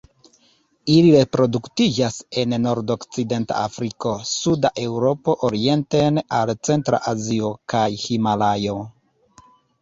Ili reproduktiĝas en nordokcidenta Afriko, suda Eŭropo orienten al centra Azio, kaj Himalajo.